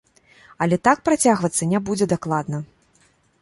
Але так працягвацца не бузе дакладна.